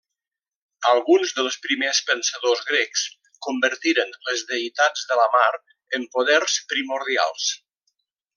Alguns dels primers pensadors grecs convertiren les deïtats de la mar en poders primordials.